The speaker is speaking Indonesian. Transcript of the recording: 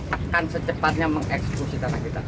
akan secepatnya mengeksklusi tanah kita